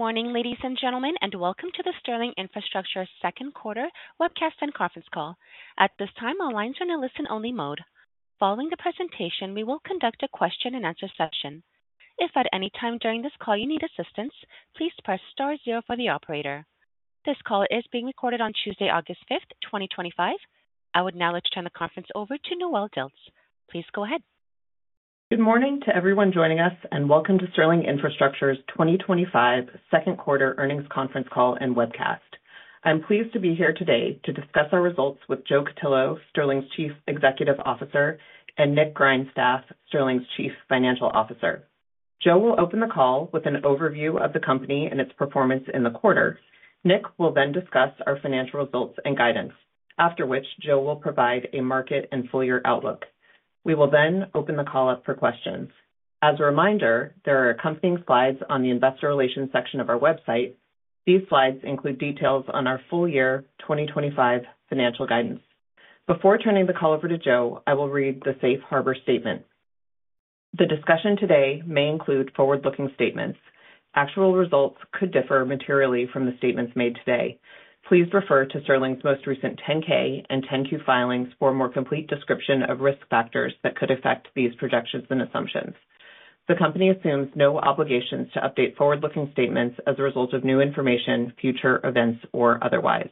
Good morning, ladies and gentlemen, and welcome to the Sterling Infrastructure's second quarter webcast and conference call. At this time, all lines are in a listen-only mode. Following the presentation, we will conduct a question-and-answer session. If at any time during this call you need assistance, please press star zero for the operator. This call is being recorded on Tuesday, August 5th, 2025. I would now like to turn the conference over to Noelle Dilts. Please go ahead. Good morning to everyone joining us, and welcome to Sterling Infrastructure's 2025 second quarter earnings conference call and webcast. I'm pleased to be here today to discuss our results with Joe Cutillo, Sterling's Chief Executive Officer, and Nick Grindstaff, Sterling's Chief Financial Officer. Joe will open the call with an overview of the company and its performance in the quarter. Nick will then discuss our financial results and guidance, after which Joe will provide a market and full-year outlook. We will then open the call up for questions. As a reminder, there are accompanying slides on the Investor Relations section of our website. These slides include details on our full-year 2025 financial guidance. Before turning the call over to Joe, I will read the safe harbor statement. The discussion today may include forward-looking statements. Actual results could differ materially from the statements made today. Please refer to Sterling's most recent 10-K and 10-Q filings for a more complete description of risk factors that could affect these projections and assumptions. The company assumes no obligations to update forward-looking statements as a result of new information, future events, or otherwise.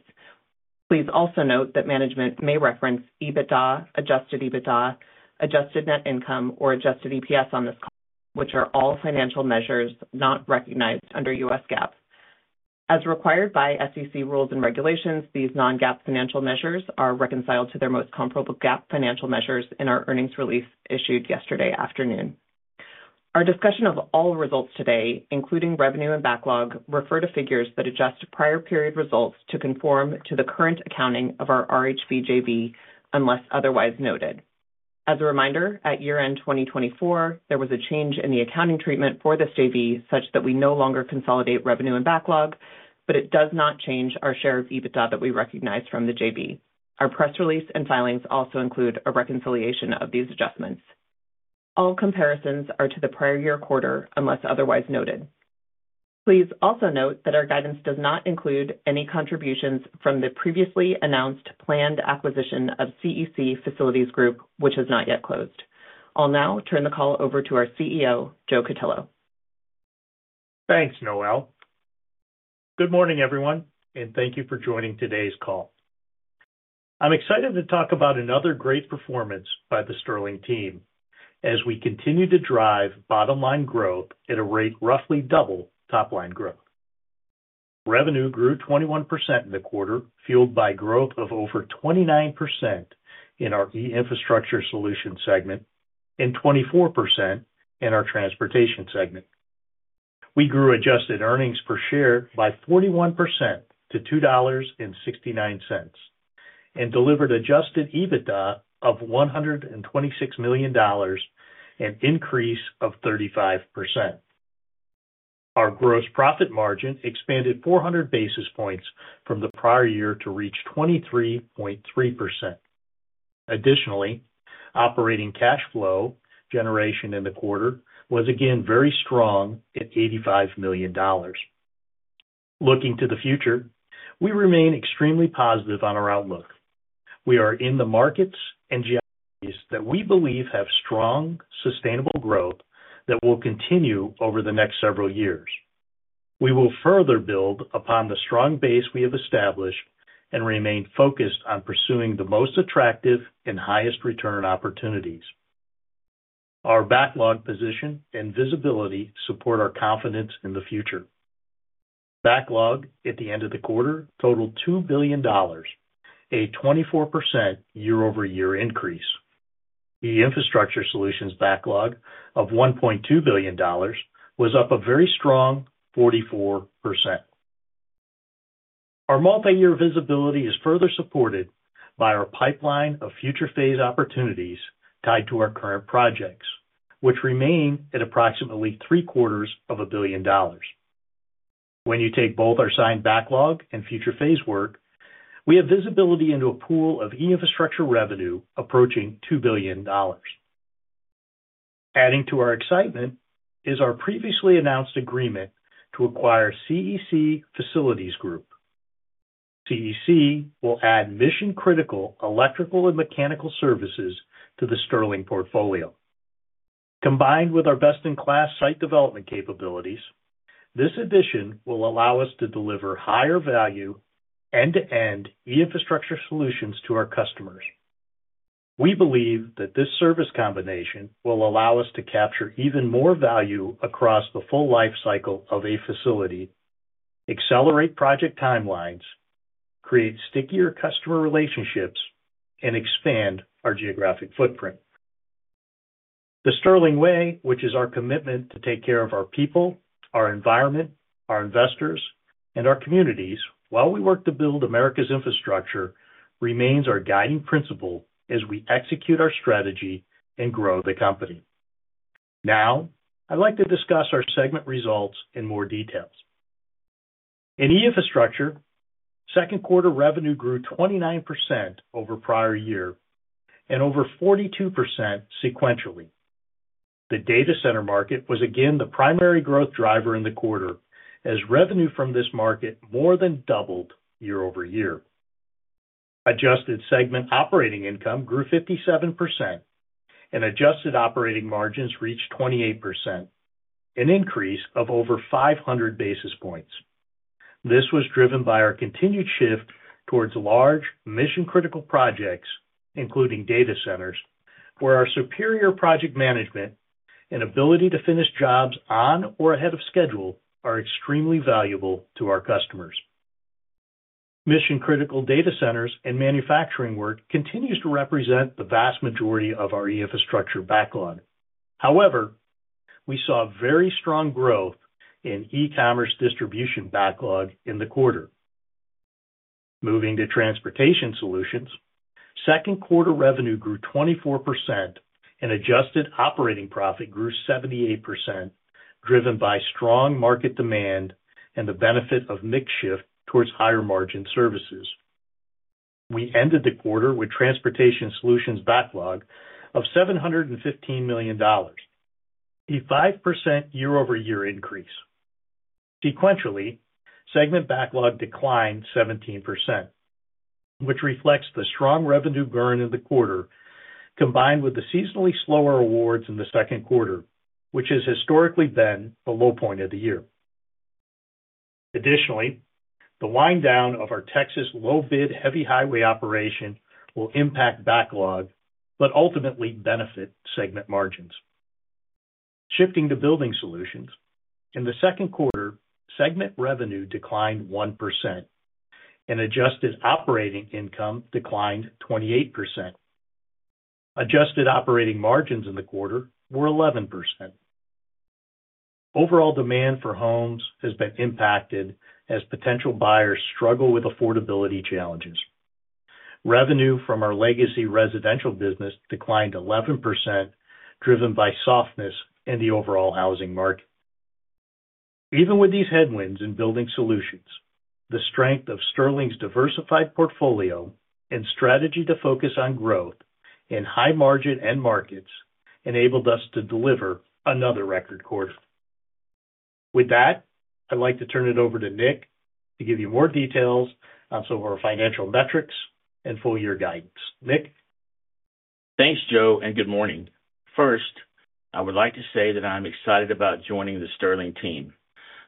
Please also note that management may reference EBITDA, adjusted EBITDA, adjusted net income, or adjusted EPS on this call, which are all financial measures not recognized under U.S. GAAP. As required by SEC rules and regulations, these non-GAAP financial measures are reconciled to their most comparable GAAP financial measures in our earnings release issued yesterday afternoon. Our discussion of all results today, including revenue and backlog, refer to figures that adjust prior period results to conform to the current accounting of our RHV JV unless otherwise noted. As a reminder, at year-end 2024, there was a change in the accounting treatment for this JV such that we no longer consolidate revenue and backlog, but it does not change our share of EBITDA that we recognize from the JV. Our press release and filings also include a reconciliation of these adjustments. All comparisons are to the prior year quarter unless otherwise noted. Please also note that our guidance does not include any contributions from the previously announced planned acquisition of CEC Facilities Group, which has not yet closed. I'll now turn the call over to our CEO, Joe Cutillo. Thanks, Noelle. Good morning, everyone, and thank you for joining today's call. I'm excited to talk about another great performance by the Sterling team as we continue to drive bottom-line growth at a rate roughly double top-line growth. Revenue grew 21% in the quarter, fueled by growth of over 29% in our E-Infrastructure Solutions segment and 24% in our Transportation segment. We grew adjusted EPS by 41% to $2.69 and delivered adjusted EBITDA of $126 million, an increase of 35%. Our gross profit margin expanded 400 basis points from the prior year to reach 23.3%. Additionally, operating cash flow generation in the quarter was again very strong at $85 million. Looking to the future, we remain extremely positive on our outlook. We are in the markets and geographies that we believe have strong, sustainable growth that will continue over the next several years. We will further build upon the strong base we have established and remain focused on pursuing the most attractive and highest return opportunities. Our backlog position and visibility support our confidence in the future. Backlog at the end of the quarter totaled $2 billion, a 24% year-over-year increase. The E-Infrastructure Solutions backlog of $1.2 billion was up a very strong 44%. Our multi-year visibility is further supported by our pipeline of future phase opportunities tied to our current projects, which remain at approximately three quarters of a billion dollars. When you take both our signed backlog and future phase work, we have visibility into a pool of E-Infrastructure revenue approaching $2 billion. Adding to our excitement is our previously announced agreement to acquire CEC Facilities Group. CEC will add mission-critical electrical and mechanical services to the Sterling portfolio. Combined with our best-in-class site development capabilities, this addition will allow us to deliver higher value end-to-end E-Infrastructure Solutions to our customers. We believe that this service combination will allow us to capture even more value across the full life cycle of a facility, accelerate project timelines, create stickier customer relationships, and expand our geographic footprint. The Sterling way, which is our commitment to take care of our people, our environment, our investors, and our communities while we work to build America's infrastructure, remains our guiding principle as we execute our strategy and grow the company. Now, I'd like to discuss our segment results in more detail. In E-Infrastructure, second quarter revenue grew 29% over prior year and over 42% sequentially. The data center market was again the primary growth driver in the quarter as revenue from this market more than doubled year over year. Adjusted segment operating income grew 57% and adjusted operating margins reached 28%, an increase of over 500 basis points. This was driven by our continued shift towards large mission-critical projects, including data centers, where our superior project management and ability to finish jobs on or ahead of schedule are extremely valuable to our customers. Mission-critical data centers and manufacturing work continues to represent the vast majority of our E-Infrastructure backlog. However, we saw very strong growth in e-commerce distribution backlog in the quarter. Moving to Transportation Solutions, second quarter revenue grew 24% and adjusted operating profit grew 78%, driven by strong market demand and the benefit of makeshift towards higher margin services. We ended the quarter with Transportation Solutions backlog of $715 million, a 5% year-over-year increase. Sequentially, segment backlog declined 17%, which reflects the strong revenue burn in the quarter combined with the seasonally slower awards in the second quarter, which has historically been the low point of the year. Additionally, the wind-down of our Texas low-bid heavy highway operation will impact backlog but ultimately benefit segment margins. Shifting to Building Solutions, in the second quarter, segment revenue declined 1% and adjusted operating income declined 28%. Adjusted operating margins in the quarter were 11%. Overall demand for homes has been impacted as potential buyers struggle with affordability challenges. Revenue from our legacy residential business declined 11%, driven by softness in the overall housing market. Even with these headwinds in Building Solutions, the strength of Sterling's diversified portfolio and strategy to focus on growth in high margin end markets enabled us to deliver another record quarter. With that, I'd like to turn it over to Nick to give you more details on some of our financial metrics and full-year guidance. Nick? Thanks, Joe, and good morning. First, I would like to say that I'm excited about joining the Sterling team.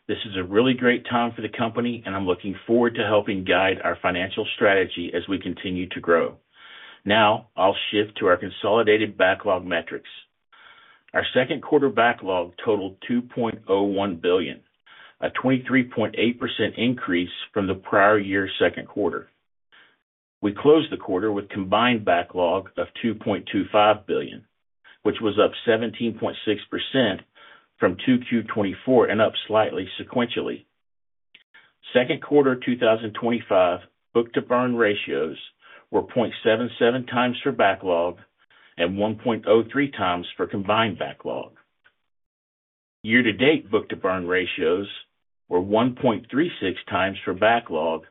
This is a really great time for the company, and I'm looking forward to helping guide our financial strategy as we continue to grow. Now, I'll shift to our consolidated backlog metrics. Our second quarter backlog totaled $2.01 billion, a 23.8% increase from the prior year's second quarter. We closed the quarter with a combined backlog of $2.25 billion, which was up 17.6% from Q2 2024 and up slightly sequentially. Second quarter 2025 book-to-burn ratios were 0.77x for backlog and 1.03x for combined backlog. Year-to-date book-to-burn ratios were 1.36x for backlog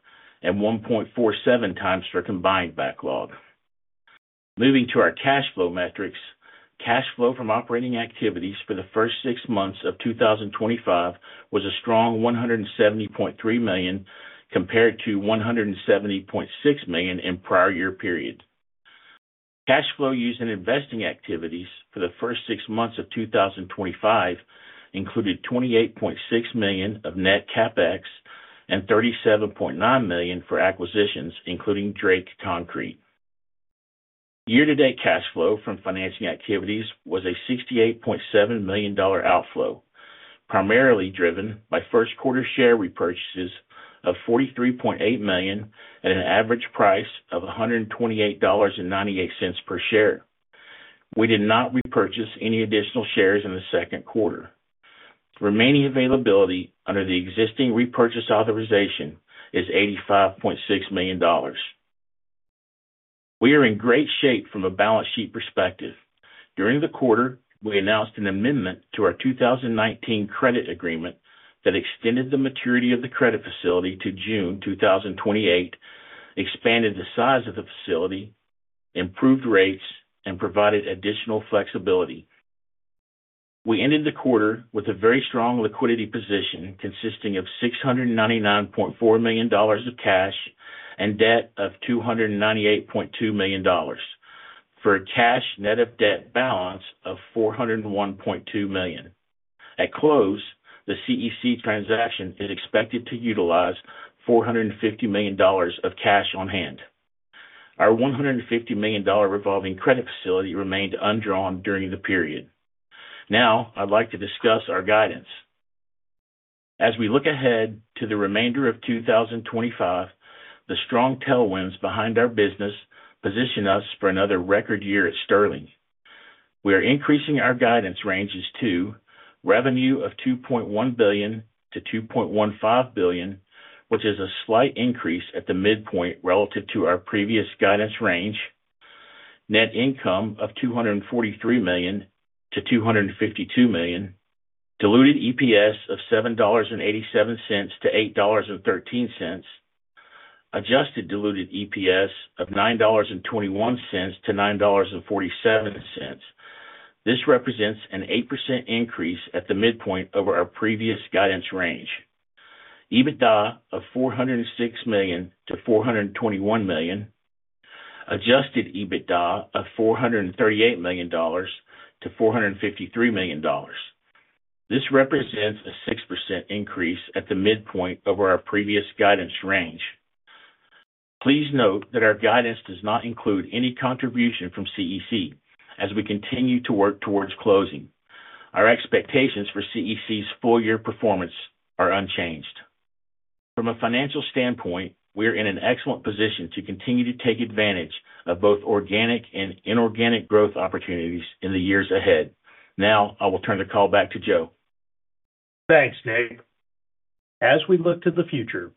and 1.47x for combined backlog. Moving to our cash flow metrics, cash flow from operating activities for the first six months of 2025 was a strong $170.3 million compared to $170.6 million in the prior year period. Cash flow used in investing activities for the first six months of 2025 included $28.6 million of net CapEx and $37.9 million for acquisitions, including Drake Concrete. Year-to-date cash flow from financing activities was a $68.7 million outflow, primarily driven by first quarter share repurchases of $43.8 million at an average price of $128.98 per share. We did not repurchase any additional shares in the second quarter. Remaining availability under the existing repurchase authorization is $85.6 million. We are in great shape from a balance sheet perspective. During the quarter, we announced an amendment to our 2019 credit agreement that extended the maturity of the credit facility to June 2028, expanded the size of the facility, improved rates, and provided additional flexibility. We ended the quarter with a very strong liquidity position consisting of $699.4 million of cash and debt of $298.2 million for a cash net of debt balance of $401.2 million. At close, the CEC transaction is expected to utilize $450 million of cash on hand. Our $150 million revolving credit facility remained undrawn during the period. Now, I'd like to discuss our guidance. As we look ahead to the remainder of 2025, the strong tailwinds behind our business position us for another record year at Sterling. We are increasing our guidance ranges to revenue of $2.1 billion-$2.15 billion, which is a slight increase at the midpoint relative to our previous guidance range, net income of $243 million-$252 million, diluted EPS of $7.87-$8.13, adjusted diluted EPS of $9.21-$9.47. This represents an 8% increase at the midpoint of our previous guidance range. EBITDA of $406 million-$421 million, adjusted EBITDA of $438 million-$453 million. This represents a 6% increase at the midpoint of our previous guidance range. Please note that our guidance does not include any contribution from CEC as we continue to work towards closing. Our expectations for CEC's full-year performance are unchanged. From a financial standpoint, we are in an excellent position to continue to take advantage of both organic and inorganic growth opportunities in the years ahead. Now, I will turn the call back to Joe. Thanks, Nick. As we look to the future,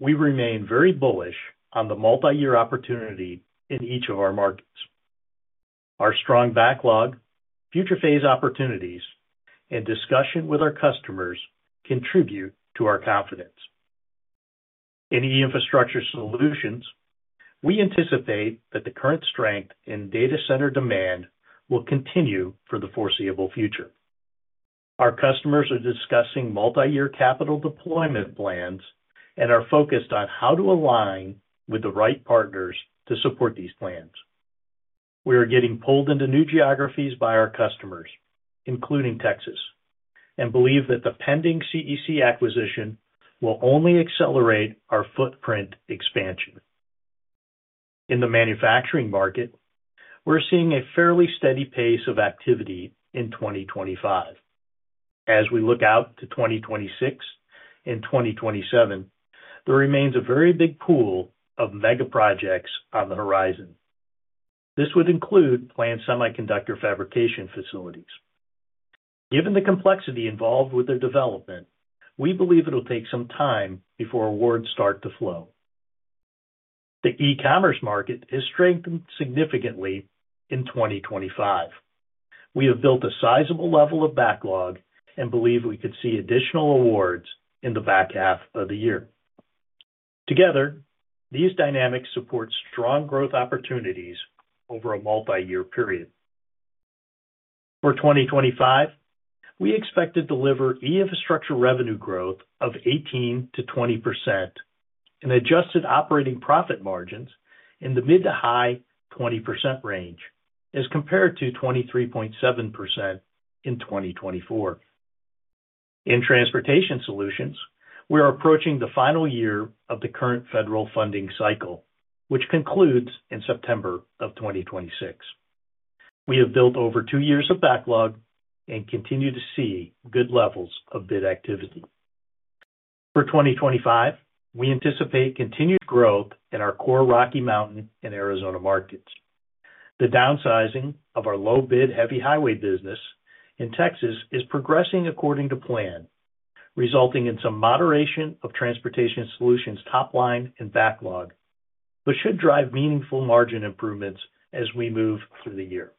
we remain very bullish on the multi-year opportunity in each of our markets. Our strong backlog, future phase opportunities, and discussion with our customers contribute to our confidence. In E-Infrastructure Solutions, we anticipate that the current strength in data center demand will continue for the foreseeable future. Our customers are discussing multi-year capital deployment plans and are focused on how to align with the right partners to support these plans. We are getting pulled into new geographies by our customers, including Texas, and believe that the pending CEC acquisition will only accelerate our footprint expansion. In the manufacturing market, we are seeing a fairly steady pace of activity in 2025. As we look out to 2026 and 2027, there remains a very big pool of mega projects on the horizon. This would include planned semiconductor fabrication facilities. Given the complexity involved with their development, we believe it'll take some time before awards start to flow. The e-commerce market has strengthened significantly in 2025. We have built a sizable level of backlog and believe we could see additional awards in the back half of the year. Together, these dynamics support strong growth opportunities over a multi-year period. For 2025, we expect to deliver E-Infrastructure revenue growth of 18% to 20% and adjusted operating profit margins in the mid to high 20% range as compared to 23.7% in 2024. In Transportation Solutions, we are approaching the final year of the current federal funding cycle, which concludes in September of 2026. We have built over two years of backlog and continue to see good levels of bid activity. For 2025, we anticipate continued growth in our core Rocky Mountain and Arizona markets. The downsizing of our low-bid heavy highway business in Texas is progressing according to plan, resulting in some moderation of Transportation Solutions top line and backlog, but should drive meaningful margin improvements as we move through the year.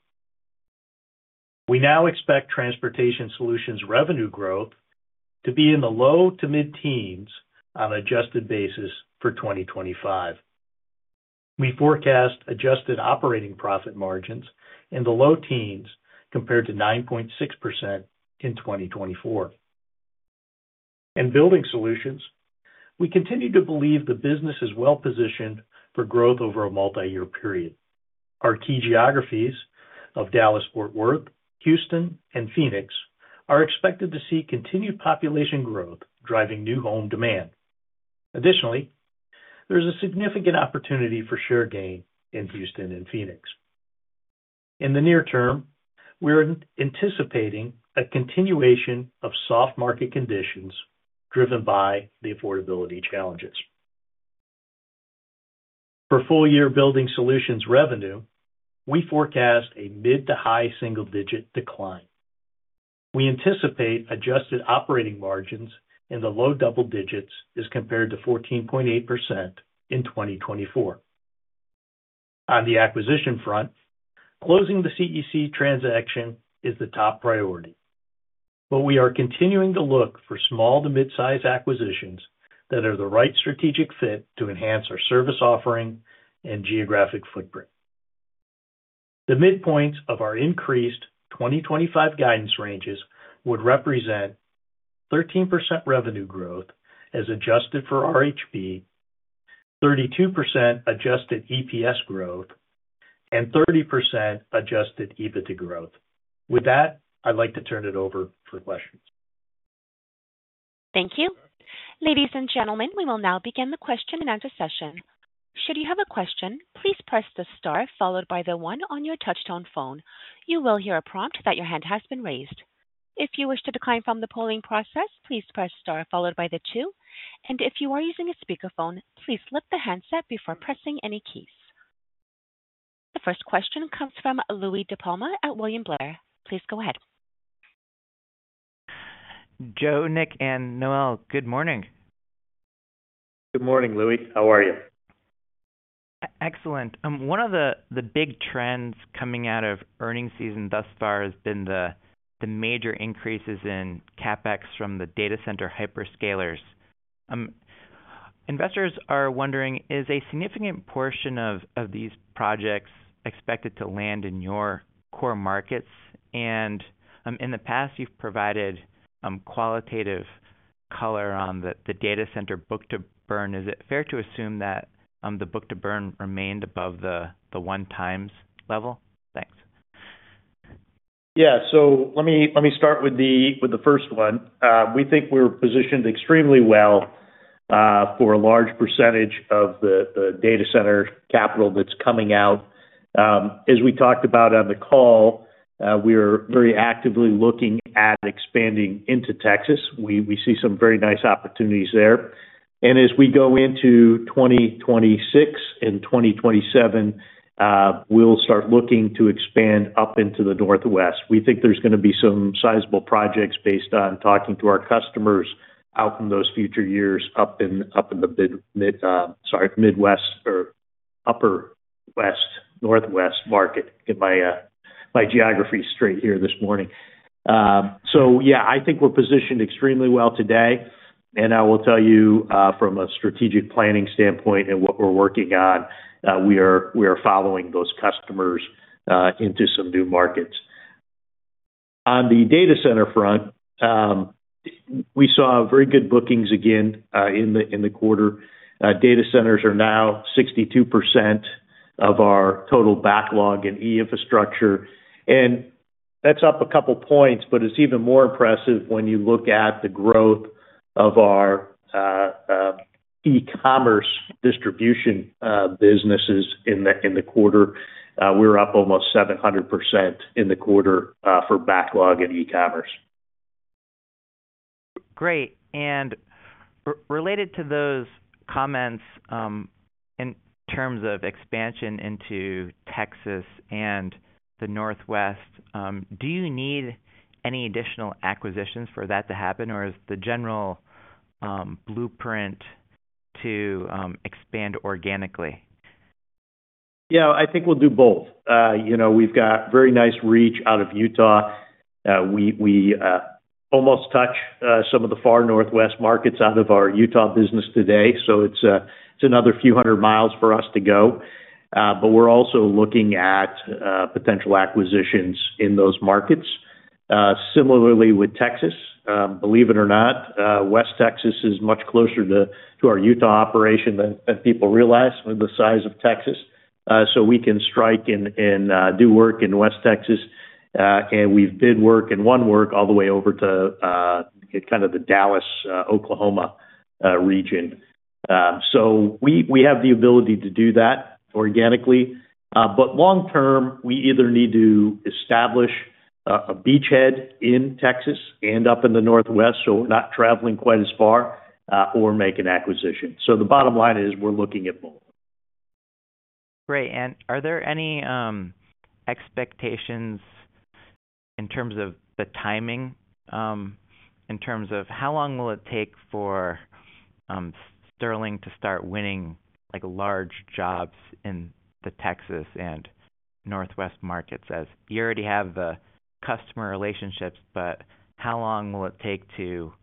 We now expect Transportation Solutions revenue growth to be in the low to mid-teens on an adjusted basis for 2025. We forecast adjusted operating profit margins in the low teens compared to 9.6% in 2024. In Building Solutions, we continue to believe the business is well positioned for growth over a multi-year period. Our key geographies of Dallas-Fort Worth, Houston, and Phoenix are expected to see continued population growth, driving new home demand. Additionally, there is a significant opportunity for share gain in Houston and Phoenix. In the near term, we're anticipating a continuation of soft market conditions driven by the affordability challenges. For full-year building solutions revenue, we forecast a mid to high single-digit decline. We anticipate adjusted operating margins in the low double digits as compared to 14.8% in 2024. On the acquisition front, closing the CEC transaction is the top priority, but we are continuing to look for small to mid-size acquisitions that are the right strategic fit to enhance our service offering and geographic footprint. The midpoints of our increased 2025 guidance ranges would represent 13% revenue growth as adjusted for RHV, 32% adjusted EPS growth, and 30% adjusted EBITDA growth. With that, I'd like to turn it over for questions. Thank you. Ladies and gentlemen, we will now begin the question-and-answer session. Should you have a question, please press the star followed by the one on your touch-tone phone. You will hear a prompt that your hand has been raised. If you wish to decline from the polling process, please press star followed by the two. If you are using a speakerphone, please lift the handset before pressing any keys. The first question comes from Louie DiPalma at William Blair. Please go ahead. Joe, Nick, and Noelle, good morning. Good morning, Michael. How are you? Excellent. One of the big trends coming out of earnings season thus far has been the major increases in CapEx from the data center hyperscalers. Investors are wondering, is a significant portion of these projects expected to land in your core markets? In the past, you've provided qualitative color on the data center book-to-burn. Is it fair to assume that the book-to-burn remained above the 1x level? Thanks. Let me start with the first one. We think we're positioned extremely well for a large percentage of the data center capital that's coming out. As we talked about on the call, we're very actively looking at expanding into Texas. We see some very nice opportunities there. As we go into 2026 and 2027, we'll start looking to expand up into the Northwest. We think there's going to be some sizable projects based on talking to our customers out from those future years up in the Midwest or Upper West, Northwest market. Get my geographies straight here this morning. I think we're positioned extremely well today. I will tell you from a strategic planning standpoint and what we're working on, we are following those customers into some new markets. On the data center front, we saw very good bookings again in the quarter. Data centers are now 62% of our total backlog in E-Infrastructure. That's up a couple points, but it's even more impressive when you look at the growth of our e-commerce distribution businesses in the quarter. We're up almost 700% in the quarter for backlog and e-commerce. Great. Related to those comments in terms of expansion into Texas and the Northwest, do you need any additional acquisitions for that to happen, or is the general blueprint to expand organically? Yeah, I think we'll do both. We've got very nice reach out of Utah. We almost touch some of the far Northwest markets out of our Utah business today. It's another few hundred miles for us to go. We're also looking at potential acquisitions in those markets. Similarly, with Texas, believe it or not, West Texas is much closer to our Utah operation than people realize with the size of Texas. We can strike and do work in West Texas. We've bid work and won work all the way over to kind of the Dallas, Oklahoma region. We have the ability to do that organically. Long term, we either need to establish a beachhead in Texas and up in the Northwest so we're not traveling quite as far or make an acquisition. The bottom line is we're looking at both. Are there any expectations in terms of the timing, in terms of how long it will take for Sterling to start winning large jobs in the Texas and Northwest markets? You already have the customer relationships, but how long will it take to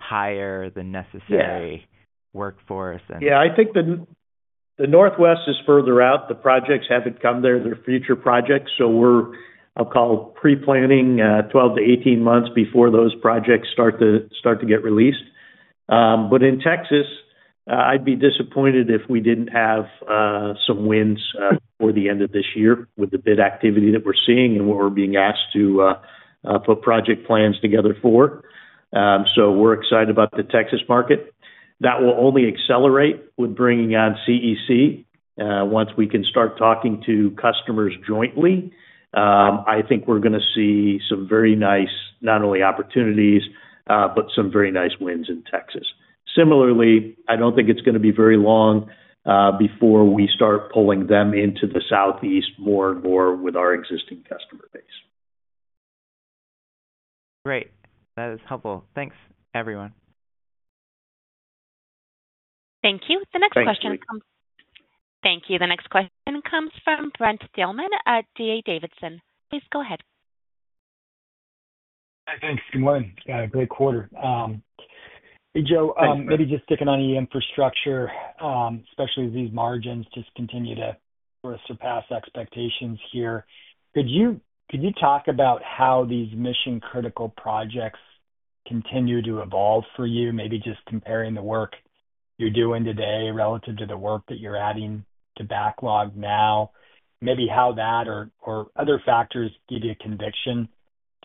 hire the necessary workforce? Yeah, I think the Northwest is further out. The projects haven't come there. They're future projects. We're pre-planning 12 months-18 months before those projects start to get released. In Texas, I'd be disappointed if we didn't have some wins before the end of this year with the bid activity that we're seeing and what we're being asked to put project plans together for. We're excited about the Texas market. That will only accelerate with bringing on CEC. Once we can start talking to customers jointly, I think we're going to see some very nice, not only opportunities, but some very nice wins in Texas. Similarly, I don't think it's going to be very long before we start pulling them into the Southeast more and more with our existing customer base. Great. That is helpful. Thanks, everyone. Thank you. The next question comes from Brent Thielman at D.A. Davidson. Please go ahead. Hi, thanks. Good morning. Great quarter. Hey, Joe, maybe just sticking on E-Infrastructure, especially as these margins just continue to sort of surpass expectations here. Could you talk about how these mission-critical projects continue to evolve for you, maybe just comparing the work you're doing today relative to the work that you're adding to backlog now, maybe how that or other factors give you a conviction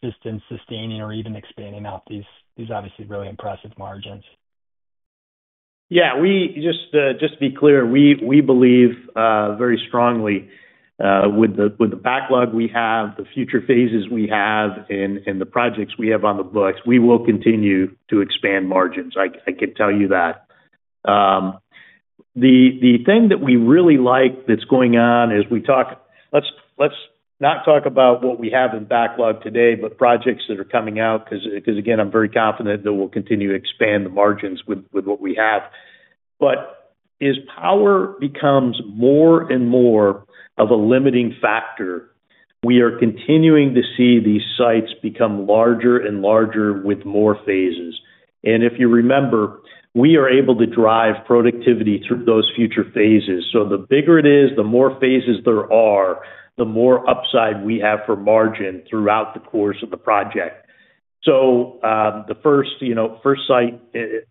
just in sustaining or even expanding out these obviously really impressive margins? Yeah, just to be clear, we believe very strongly with the backlog we have, the future phases we have, and the projects we have on the books, we will continue to expand margins. I can tell you that. The thing that we really like that's going on is we talk, let's not talk about what we have in backlog today, but projects that are coming out because, again, I'm very confident that we'll continue to expand the margins with what we have. As power becomes more and more of a limiting factor, we are continuing to see these sites become larger and larger with more phases. If you remember, we are able to drive productivity through those future phases. The bigger it is, the more phases there are, the more upside we have for margin throughout the course of the project. The first site, and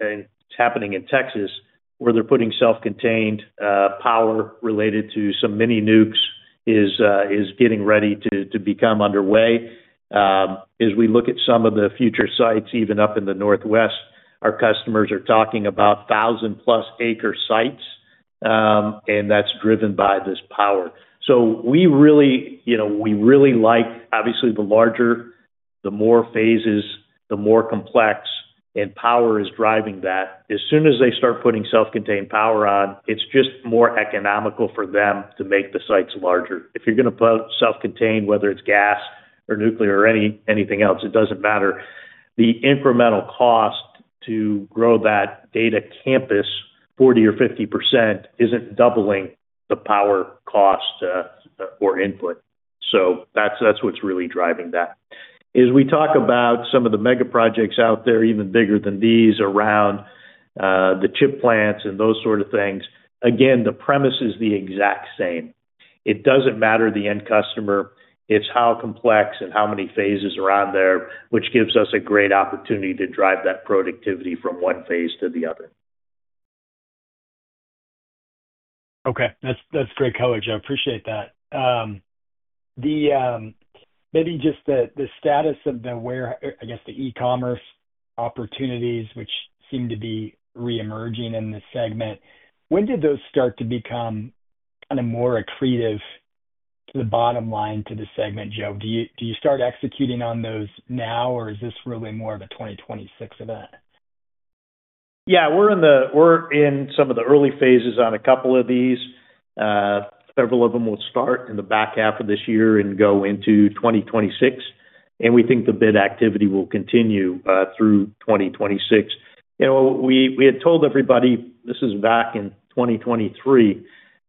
it's happening in Texas where they're putting self-contained power related to some mini-nucs, is getting ready to become underway. As we look at some of the future sites, even up in the Northwest, our customers are talking about 1,000+ acre sites, and that's driven by this power. We really like, obviously, the larger, the more phases, the more complex, and power is driving that. As soon as they start putting self-contained power on, it's just more economical for them to make the sites larger. If you're going to put self-contained, whether it's gas or nuclear or anything else, it doesn't matter. The incremental cost to grow that data campus 40% or 50% isn't doubling the power cost or input. That's what's really driving that. As we talk about some of the mega projects out there, even bigger than these, around the chip plants and those sort of things, the premise is the exact same. It doesn't matter the end customer. It's how complex and how many phases are on there, which gives us a great opportunity to drive that productivity from one phase to the other. Okay, that's great, color. I appreciate that. Maybe just the status of where, I guess, the e-commerce opportunities, which seem to be re-emerging in this segment. When did those start to become kind of more accretive to the bottom line to the segment, Joe? Do you start executing on those now, or is this really more of a 2026 event? Yeah, we're in some of the early phases on a couple of these. Several of them will start in the back half of this year and go into 2026. We think the bid activity will continue through 2026. We had told everybody, this is back in 2023,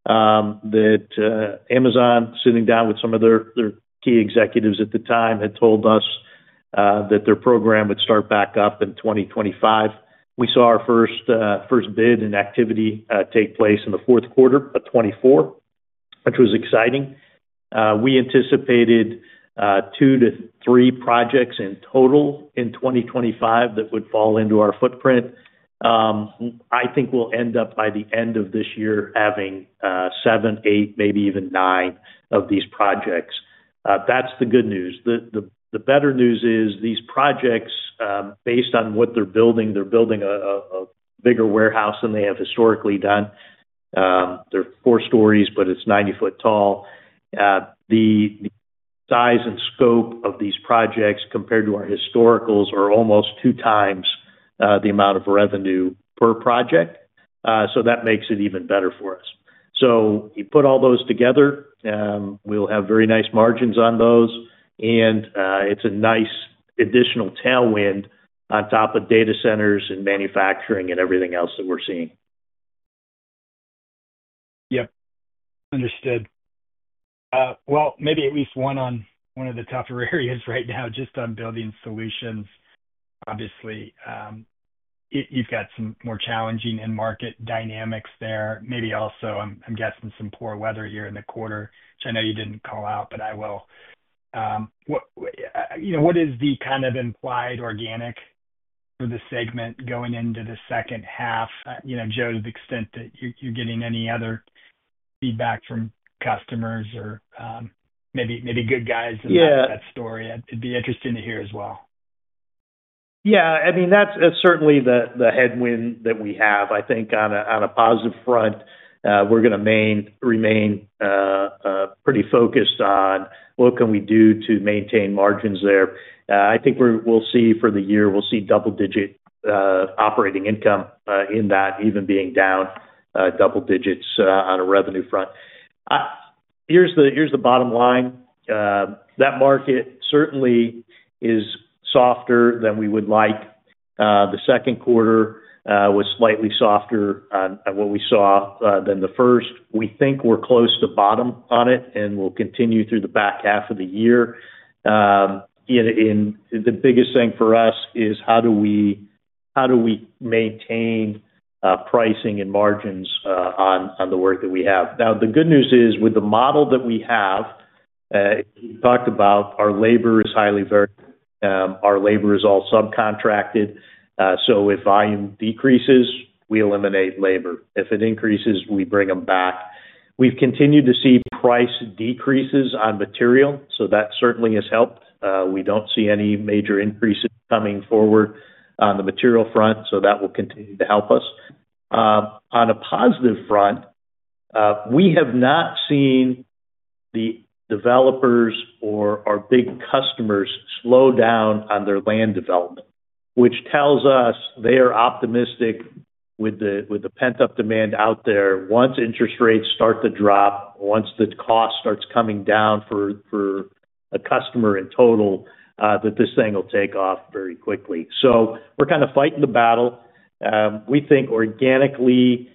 that Amazon, sitting down with some of their key executives at the time, had told us that their program would start back up in 2025. We saw our first bid and activity take place in the fourth quarter of 2024, which was exciting. We anticipated two to three projects in total in 2025 that would fall into our footprint. I think we'll end up by the end of this year having seven, eight, maybe even nine of these projects. That's the good news. The better news is these projects, based on what they're building, they're building a bigger warehouse than they have historically done. They're four stories, but it's 90-foot tall. The size and scope of these projects compared to our historicals are almost twox the amount of revenue per project. That makes it even better for us. You put all those together, we'll have very nice margins on those, and it's a nice additional tailwind on top of data centers and manufacturing and everything else that we're seeing. Yeah, understood. Maybe at least one on one of the tougher areas right now, just on building solutions. Obviously, you've got some more challenging end market dynamics there. Maybe also I'm guessing some poor weather here in the quarter, which I know you didn't call out, but I will. What is the kind of implied organic for this segment going into the second half? You know, Joe, to the extent that you're getting any other feedback from customers or maybe good guys in that story, it'd be interesting to hear as well. Yeah, I mean, that's certainly the headwind that we have. I think on a positive front, we're going to remain pretty focused on what can we do to maintain margins there. I think we'll see for the year, we'll see double-digit operating income in that, even being down double digits on a revenue front. Here's the bottom line. That market certainly is softer than we would like. The second quarter was slightly softer on what we saw than the first. We think we're close to bottom on it and will continue through the back half of the year. The biggest thing for us is how do we maintain pricing and margins on the work that we have. Now, the good news is with the model that we have, we talked about our labor is highly varied. Our labor is all subcontracted. If volume decreases, we eliminate labor. If it increases, we bring them back. We've continued to see price decreases on material, so that certainly has helped. We don't see any major increase coming forward on the material front, so that will continue to help us. On a positive front, we have not seen the developers or our big customers slow down on their land development, which tells us they are optimistic with the pent-up demand out there. Once interest rates start to drop, once the cost starts coming down for a customer in total, this thing will take off very quickly. We're kind of fighting the battle. We think organically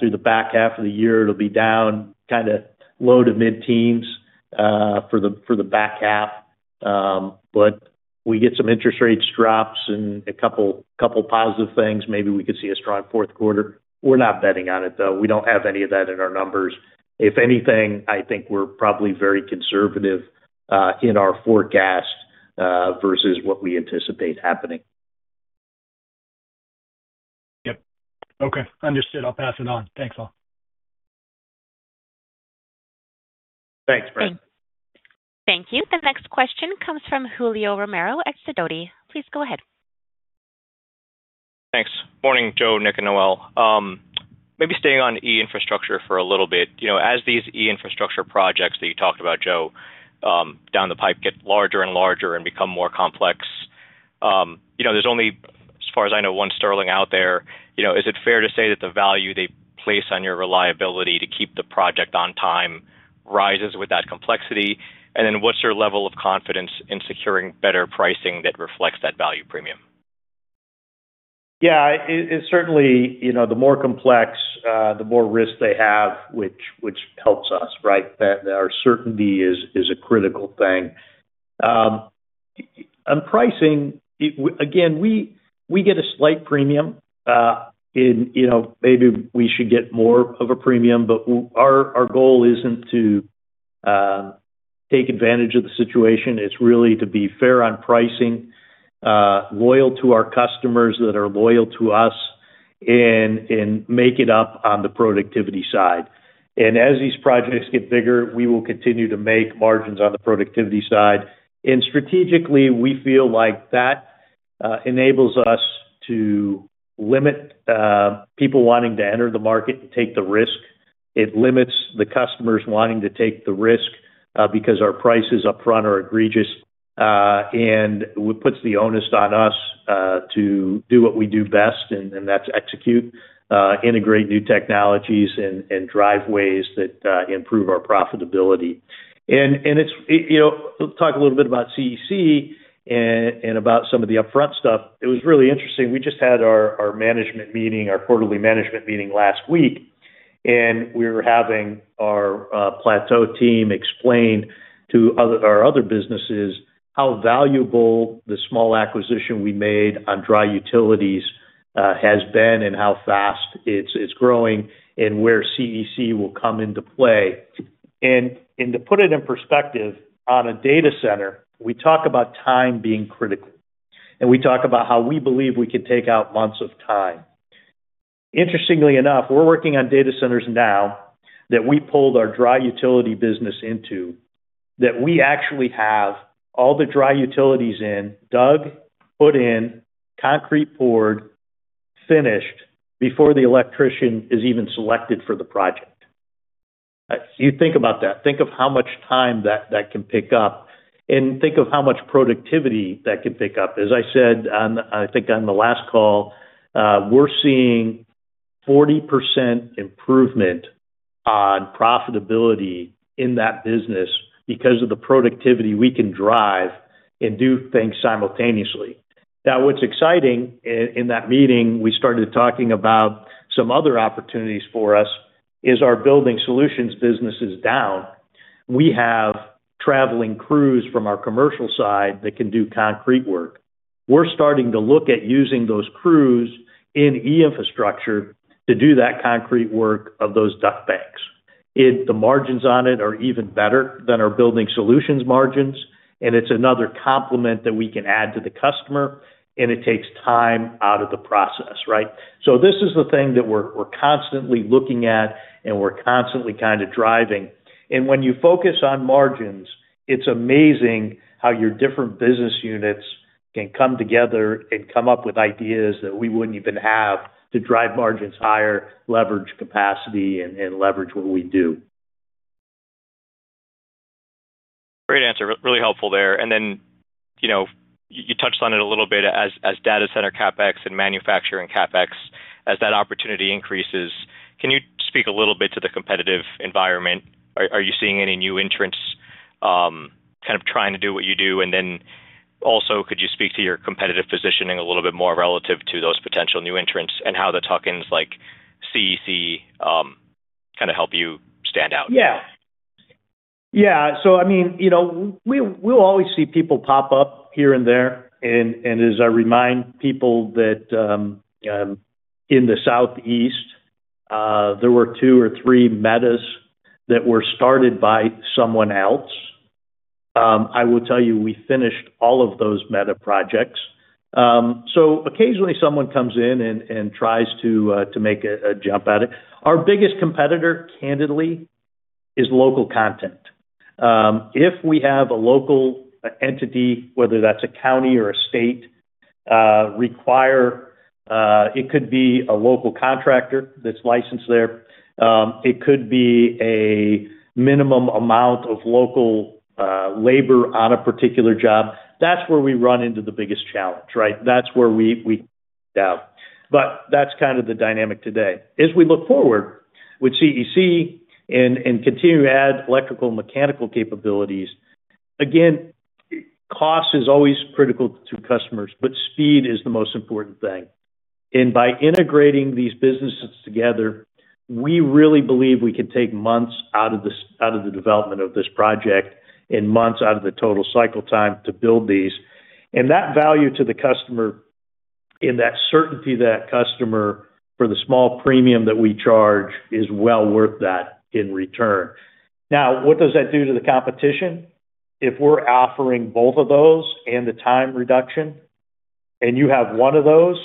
through the back half of the year, it'll be down kind of low to mid-teens for the back half. We get some interest rates drops and a couple positive things. Maybe we could see a strong fourth quarter. We're not betting on it, though. We don't have any of that in our numbers. If anything, I think we're probably very conservative in our forecast versus what we anticipate happening. Yep. Okay. Understood. I'll pass it on. Thanks, all. Thanks, Brent. Thank you. The next question comes from Julio Romero at Sidoti. Please go ahead. Thanks. Morning, Joe, Nick, and Noelle. Maybe staying on E-Infrastructure for a little bit. As these E-Infrastructure projects that you talked about, Joe, down the pipe get larger and larger and become more complex, there's only, as far as I know, one Sterling out there. Is it fair to say that the value they place on your reliability to keep the project on time rises with that complexity? What's your level of confidence in securing better pricing that reflects that value premium? Yeah, it's certainly, you know, the more complex, the more risk they have, which helps us, right? Our certainty is a critical thing. On pricing, again, we get a slight premium. You know, maybe we should get more of a premium, but our goal isn't to take advantage of the situation. It's really to be fair on pricing, loyal to our customers that are loyal to us, and make it up on the productivity side. As these projects get bigger, we will continue to make margins on the productivity side. Strategically, we feel like that enables us to limit people wanting to enter the market to take the risk. It limits the customers wanting to take the risk because our prices upfront are egregious. It puts the onus on us to do what we do best, and that's execute, integrate new technologies, and drive ways that improve our profitability. Let's talk a little bit about CEC and about some of the upfront stuff. It was really interesting. We just had our management meeting, our quarterly management meeting last week, and we were having our Plateau team explain to our other businesses how valuable the small acquisition we made on dry utilities has been and how fast it's growing and where CEC will come into play. To put it in perspective, on a data center, we talk about time being critical. We talk about how we believe we can take out months of time. Interestingly enough, we're working on data centers now that we pulled our dry utility business into that we actually have all the dry utilities in, dug, put in, concrete poured, finished before the electrician is even selected for the project. If you think about that, think of how much time that can pick up and think of how much productivity that can pick up. As I said, I think on the last call, we're seeing 40% improvement on profitability in that business because of the productivity we can drive and do things simultaneously. What's exciting in that meeting, we started talking about some other opportunities for us. Our building solutions business is down. We have traveling crews from our commercial side that can do concrete work. We're starting to look at using those crews in E-Infrastructure to do that concrete work of those duct banks. The margins on it are even better than our building solutions margins, and it's another complement that we can add to the customer, and it takes time out of the process, right? This is the thing that we're constantly looking at, and we're constantly kind of driving. When you focus on margins, it's amazing how your different business units can come together and come up with ideas that we wouldn't even have to drive margins higher, leverage capacity, and leverage what we do. Great answer. Really helpful there. You touched on it a little bit as data center CapEx and manufacturing CapEx as that opportunity increases. Can you speak a little bit to the competitive environment? Are you seeing any new entrants kind of trying to do what you do? Could you speak to your competitive positioning a little bit more relative to those potential new entrants and how the tokens like CEC kind of help you stand out? Yeah. Yeah. I mean, you know, we'll always see people pop up here and there. As I remind people, in the Southeast, there were two or three metas that were started by someone else. I will tell you, we finished all of those meta projects. Occasionally, someone comes in and tries to make a jump at it. Our biggest competitor, candidly, is local content. If we have a local entity, whether that's a county or a state, it could be a local contractor that's licensed there. It could be a minimum amount of local labor on a particular job. That's where we run into the biggest challenge, right? That's where we doubt. That's kind of the dynamic today. As we look forward with CEC and continue to add electrical and mechanical capabilities, again, cost is always critical to customers, but speed is the most important thing. By integrating these businesses together, we really believe we could take months out of the development of this project and months out of the total cycle time to build these. That value to the customer and that certainty to that customer for the small premium that we charge is well worth that in return. Now, what does that do to the competition? If we're offering both of those and the time reduction, and you have one of those,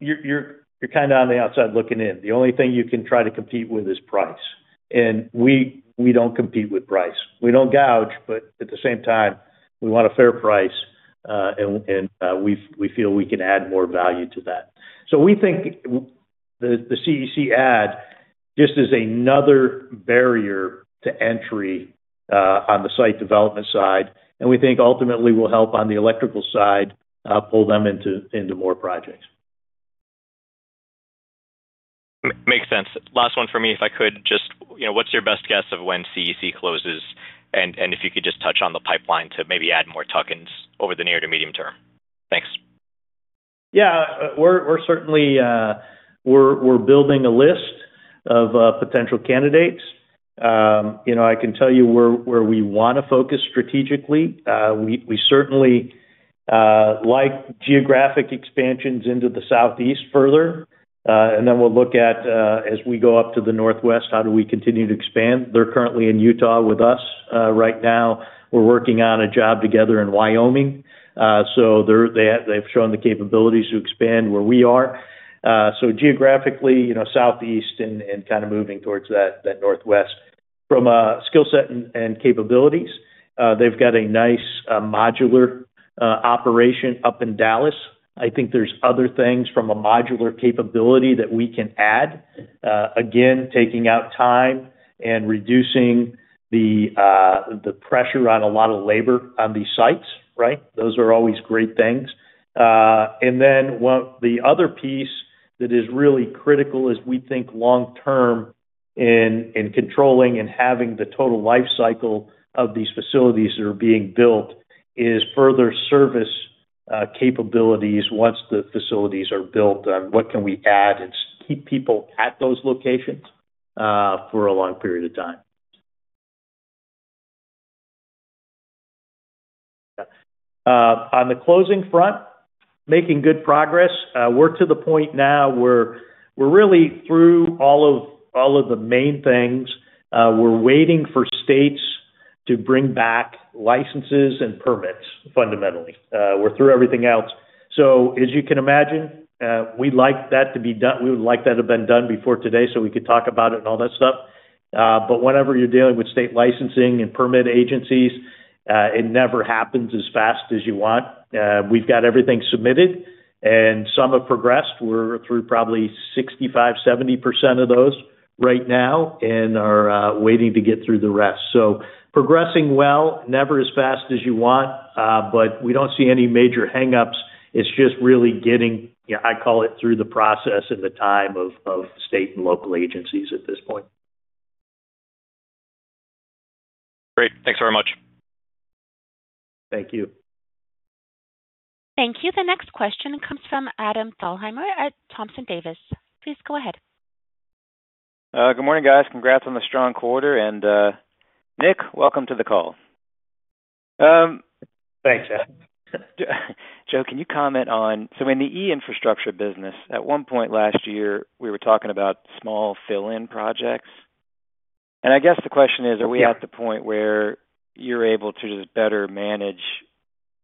you're kind of on the outside looking in. The only thing you can try to compete with is price. We don't compete with price. We don't gouge, but at the same time, we want a fair price, and we feel we can add more value to that. We think the CEC add just is another barrier to entry on the site development side, and we think ultimately will help on the electrical side, pull them into more projects. Makes sense. Last one for me, if I could, just, you know, what's your best guess of when CEC closes, and if you could just touch on the pipeline to maybe add more tokens over the near to medium term? Thanks. Yeah, we're certainly building a list of potential candidates. I can tell you where we want to focus strategically. We certainly like geographic expansions into the Southeast further. We'll look at, as we go up to the Northwest, how do we continue to expand. They're currently in Utah with us right now. We're working on a job together in Wyoming. They've shown the capabilities to expand where we are. Geographically, Southeast and kind of moving towards that Northwest. From a skill set and capabilities, they've got a nice modular operation up in Dallas. I think there's other things from a modular capability that we can add, again, taking out time and reducing the pressure on a lot of labor on these sites, right? Those are always great things. The other piece that is really critical is we think long-term in controlling and having the total lifecycle of these facilities that are being built is further service capabilities once the facilities are built and what can we add and keep people at those locations for a long period of time. On the closing front, making good progress. We're to the point now where we're really through all of the main things. We're waiting for states to bring back licenses and permits, fundamentally. We're through everything else. As you can imagine, we'd like that to be done. We'd like that to have been done before today so we could talk about it and all that stuff. Whenever you're dealing with state licensing and permit agencies, it never happens as fast as you want. We've got everything submitted and some have progressed. We're through probably 65%-70% of those right now and are waiting to get through the rest. Progressing well, never as fast as you want, but we don't see any major hang-ups. It's just really getting, I call it, through the process and the time of state and local agencies at this point. Great. Thanks very much. Thank you. Thank you. The next question comes from Adam Thalhimer at Thompson Davis. Please go ahead. Good morning, guys. Congrats on the strong quarter. Nick, welcome to the call. Thanks, Adam. Joe, can you comment on, in the E-Infrastructure business, at one point last year, we were talking about small fill-in projects. I guess the question is, are we at the point where you're able to just better manage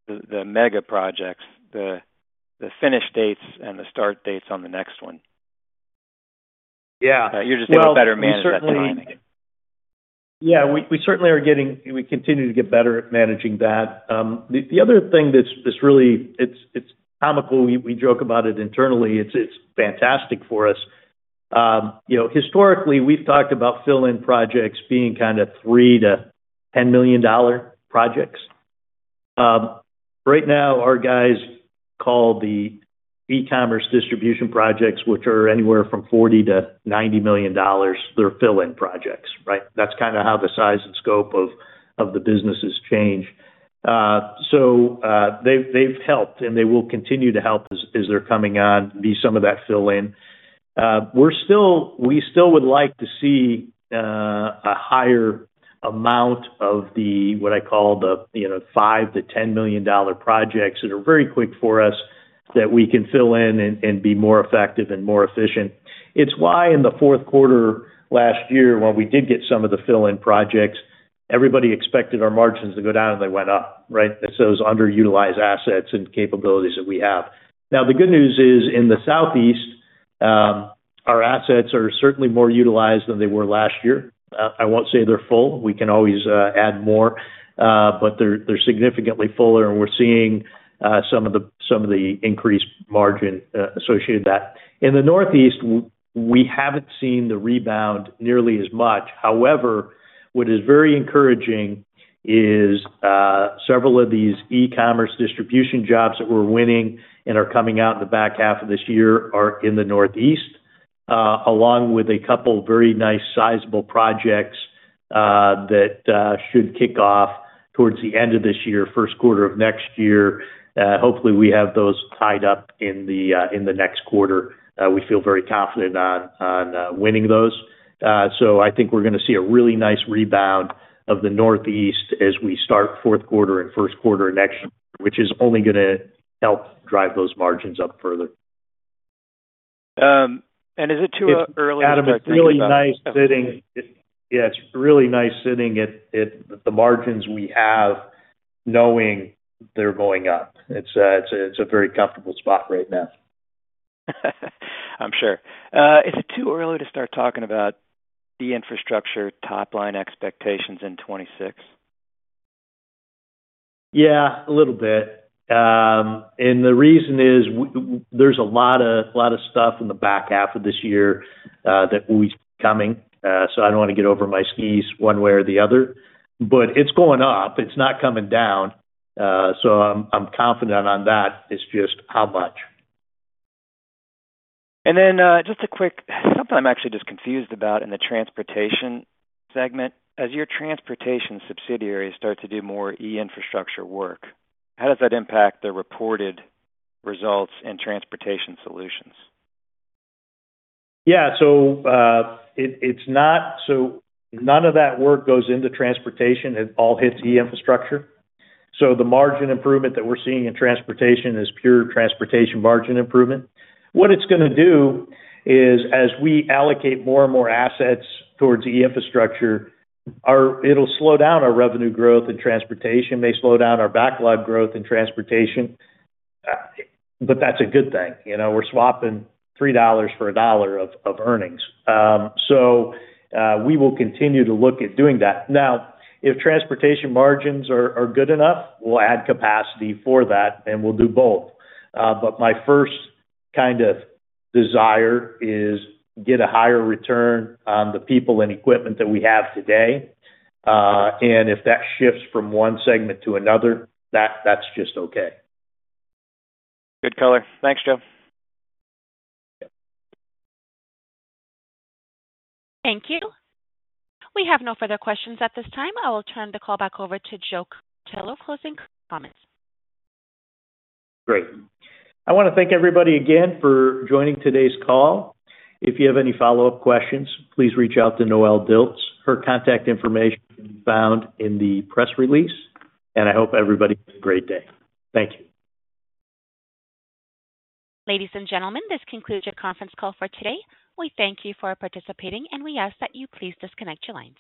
the mega projects, the finish dates, and the start dates on the next one? Yeah. You're just able to better manage that, I think. Yeah, we certainly are getting, we continue to get better at managing that. The other thing that's really, it's comical, we joke about it internally, it's fantastic for us. Historically, we've talked about fill-in projects being kind of $3 million-$10 million projects. Right now, our guys call the e-commerce distribution projects, which are anywhere from $40 million-$90 million, they're fill-in projects, right? That's kind of how the size and scope of the business has changed. They've helped, and they will continue to help as they're coming on, be some of that fill-in. We still would like to see a higher amount of the, what I call the, you know, $5 million-$10 million projects that are very quick for us that we can fill in and be more effective and more efficient. It's why in the fourth quarter last year, when we did get some of the fill-in projects, everybody expected our margins to go down and they went, "Oh," right? Those underutilized assets and capabilities that we have. The good news is in the Southeast, our assets are certainly more utilized than they were last year. I won't say they're full. We can always add more, but they're significantly fuller, and we're seeing some of the increased margin associated with that. In the Northeast, we haven't seen the rebound nearly as much. However, what is very encouraging is several of these e-commerce distribution jobs that we're winning and are coming out in the back half of this year are in the Northeast, along with a couple of very nice sizable projects that should kick off towards the end of this year, first quarter of next year. Hopefully, we have those tied up in the next quarter. We feel very confident on winning those. I think we're going to see a really nice rebound of the Northeast as we start fourth quarter and first quarter next, which is only going to help drive those margins up further. Is it too early to say? It's really nice sitting at the margins we have, knowing they're going up. It's a very comfortable spot right now. I'm sure. Is it too early to start talking about the E-Infrastructure top line expectations in 2026? Yeah, a little bit. The reason is there's a lot of stuff in the back half of this year that will be coming. I don't want to get over my skis one way or the other, but it's going up. It's not coming down. I'm confident on that. It's just how much. Just a quick, something I'm actually just confused about in the Transportation segment. As your transportation subsidiaries start to do more E-Infrastructure work, how does that impact the reported results in Transportation Solutions? Yeah, so it's not, so none of that work goes into Transportation. It all hits E-Infrastructure. The margin improvement that we're seeing in Transportation is pure transportation margin improvement. What it's going to do is as we allocate more and more assets towards E-Infrastructure, it'll slow down our revenue growth in Transportation. It may slow down our backlog growth in Transportation. That's a good thing. You know, we're swapping $3 for $1 of earnings. We will continue to look at doing that. Now, if transportation margins are good enough, we'll add capacity for that, and we'll do both. My first kind of desire is to get a higher return on the people and equipment that we have today. If that shifts from one segment to another, that's just okay. Good color. Thanks, Joe. Thank you. We have no further questions at this time. I will turn the call back over to Joe Cutillo for closing comments. Great. I want to thank everybody again for joining today's call. If you have any follow-up questions, please reach out to Noelle Dilts. Her contact information is found in the press release. I hope everybody has a great day. Thank you. Ladies and gentlemen, this concludes your conference call for today. We thank you for participating, and we ask that you please disconnect your lines.